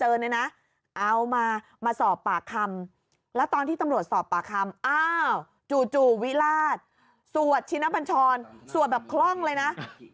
เอามามาสอบปากคำแล้วตอนที่ตำรวจสอบปากคำอ้าวจู่วิราชสวดชินบัญชรสวดแบบคล่องเลยนะ